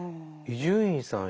伊集院さん